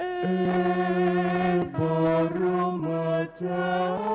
เอบรมเจ้าอดุลเยดบรมนาศบพิธร